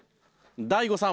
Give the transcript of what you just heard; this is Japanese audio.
大悟さん